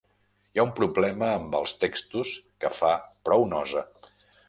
Hi ha un problema amb els textos que fa prou nosa.